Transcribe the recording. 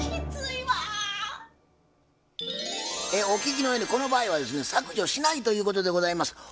お聞きのようにこの場合はですね削除しないということでございます。